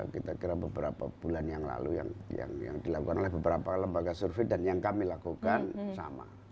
kita kira beberapa bulan yang lalu yang dilakukan oleh beberapa lembaga survei dan yang kami lakukan sama